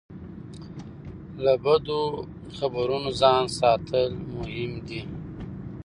له بدو خبرونو ځان ساتل مهم دي.